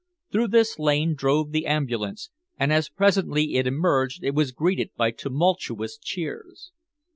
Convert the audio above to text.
Through this lane drove the ambulance, and as presently it emerged it was greeted by tumultuous cheers.